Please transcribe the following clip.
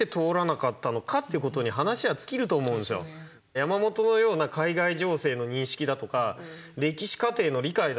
山本のような海外情勢の認識だとか歴史過程の理解だとか。